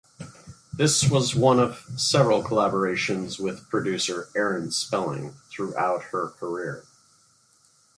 This was one of several collaborations with producer Aaron Spelling throughout her career.